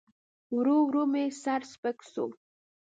ورو ورو مې سر سپک سو.